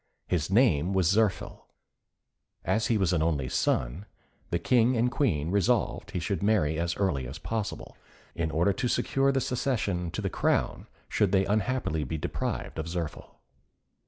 His name was Zirphil. As he was an only son, the King and Queen resolved he should marry as early as possible, in order to secure the succession to the crown should they unhappily be deprived of Zirphil.